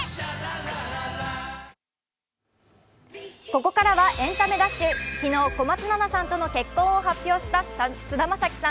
ここからは「エンタメダッシュ」昨日、小松菜奈さんとの結婚を発表した菅田将暉さん。